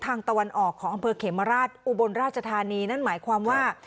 ตะวันออกของอำเภอเขมราชอุบลราชธานีนั่นหมายความว่า